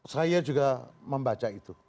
saya juga membaca itu